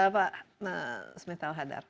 pak smith al hadar